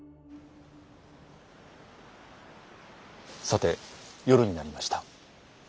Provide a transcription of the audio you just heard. さて夜になりました。